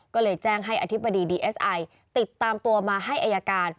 ก็เลยแจ้งให้อธิบดีดีเอสไอติดตามตัวมาให้อายการ